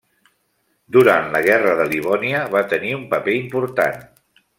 Durant la Guerra de Livònia, va tenir un paper important.